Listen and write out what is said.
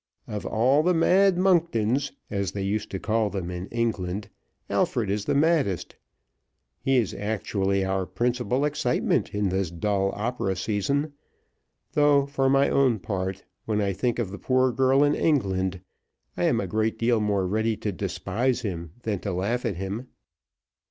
Of all the 'Mad Monktons,' as they used to call them in England, Alfred is the maddest. He is actually our principal excitement in this dull opera season; though, for my own part, when I think of the poor girl in England, I am a great deal more ready to despise him than to laugh at him."